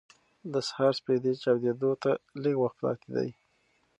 د سهار سپېدې چاودېدو ته لږ وخت پاتې دی.